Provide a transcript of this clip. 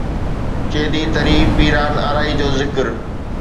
چيدي تري پيرھان آرائي جو ذڪر